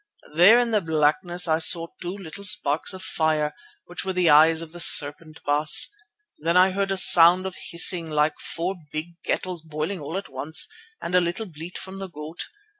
There in the blackness I saw two little sparks of fire, which were the eyes of the serpent, Baas. Then I heard a sound of hissing like four big kettles boiling all at once, and a little bleat from the goat.